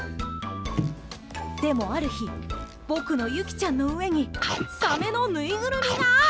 でもある日僕のユキちゃんの上にサメのぬいぐるみが。